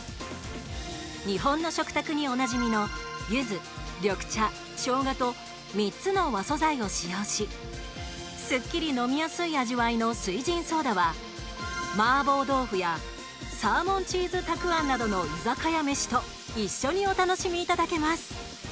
日本の食卓におなじみのユズ、緑茶、ショウガと３つの和素材を使用しすっきり飲みやすい味わいの翠ジンソーダは麻婆豆腐やサーモンチーズたくあんなどの居酒屋メシと一緒にお楽しみいただけます。